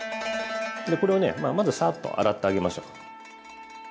これをねまずサッと洗ってあげましょう。